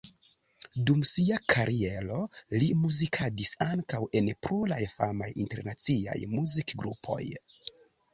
Dum sia kariero li muzikadis ankaŭ en pluraj famaj internaciaj muzikgrupoj.